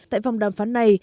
tại vòng đàm phán này